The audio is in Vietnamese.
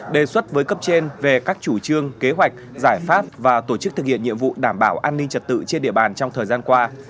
đề xuất với cấp trên về các chủ trương kế hoạch giải pháp và tổ chức thực hiện nhiệm vụ đảm bảo an ninh trật tự trên địa bàn trong thời gian qua